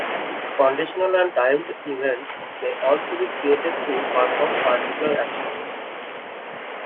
Conditional and timed events may also be created to perform particular actions.